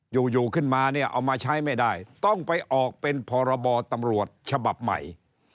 อยู่อยู่ขึ้นมาเนี่ยเอามาใช้ไม่ได้ต้องไปออกเป็นพรบตำรวจฉบับใหม่